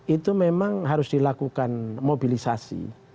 itu memang harus dilakukan mobilisasi